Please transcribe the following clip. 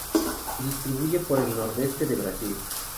Se distribuyen por el nordeste de Brasil.